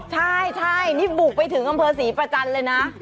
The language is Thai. ใช่นี่บุกไปถึงอำเภอศรีประจันทร์เลยนะ